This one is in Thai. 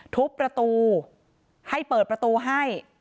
ทุบประตูให้เปิดประตูให้